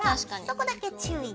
そこだけ注意。